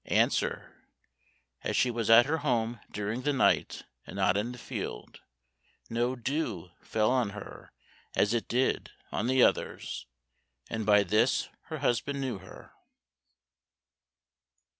Answer: as she was at her home during the night and not in the field, no dew fell on her as it did on the others, and by this her husband knew her.